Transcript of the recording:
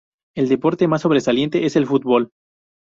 El deporte más sobresaliente es el fútbol.